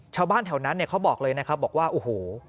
ชาวบ้านแถวนั้นเนี่ยเขาบอกเลยนะครับบอกว่าโอ้โห